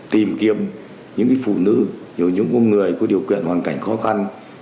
tìm kiếm những phụ nữ rồi những người có điều kiện hoàn cảnh khó khăn